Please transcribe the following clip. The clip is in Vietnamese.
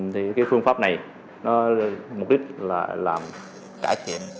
thì cái phương pháp này mục đích là làm trả trị